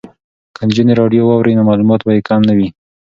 که نجونې راډیو واوري نو معلومات به یې کم نه وي.